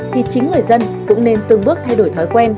thì chính người dân cũng nên từng bước thay đổi thói quen